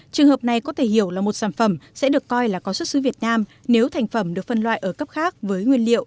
trường hợp này có thể hiểu là một sản phẩm sẽ được coi là có xuất xứ việt nam nếu thành phẩm được phân loại ở cấp khác với nguyên liệu